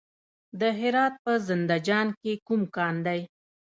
د هرات په زنده جان کې کوم کان دی؟